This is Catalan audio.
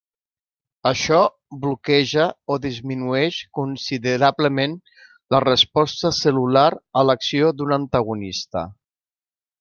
Això bloqueja o disminueix considerablement la resposta cel·lular a l'acció d'un antagonista.